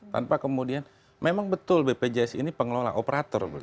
tanpa kemudian memang betul bpjs ini pengelola operator